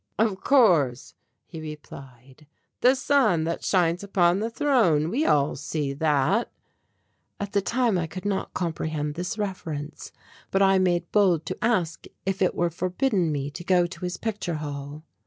"Of course," he replied, "the sun that shines upon the throne. We all see that." At the time I could not comprehend this reference, but I made bold to ask if it were forbidden me to go to his picture hall.